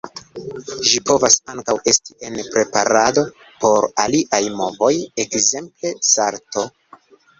Ĝi povas ankaŭ esti en preparado por aliaj movoj, ekzemple salto.